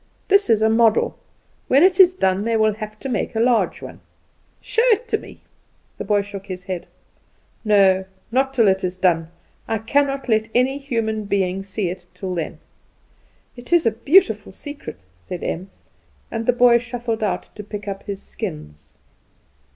"This is a model. When it is done they will have to make a large one." "Show it me." The boy shook his head. "No, not till it is done. I cannot let any human being see it till then." "It is a beautiful secret," said Em; and the boy shuffled out to pick up his skins.